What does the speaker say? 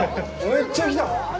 めっちゃ来た。